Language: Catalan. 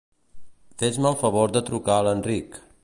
Fes-me el favor de trucar a l'Enric.